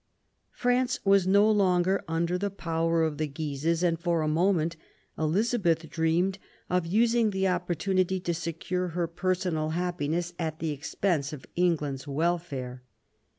France was no longer under the power of the Guises, and for a moment Elizabeth dreamed of using the opportunity to secure her personal happi ness at the expense of England's welfare.